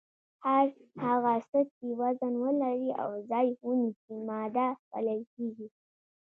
هر هغه څه چې وزن ولري او ځای ونیسي ماده بلل کیږي.